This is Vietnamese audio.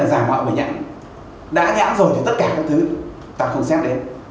hàng nhập khẩu người ta quy định rất rõ tôi nói đây là giả mạo bởi nhãn đã nhãn rồi thì tất cả các thứ ta không xem đến